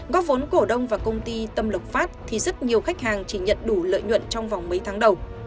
góp vốn cổ đông và công ty tâm lộc phát thì rất nhiều khách hàng chỉ nhận đủ lợi nhuận trong vòng mấy tháng đầu